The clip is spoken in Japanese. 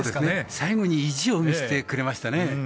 最後に意地を見せてくれましたね。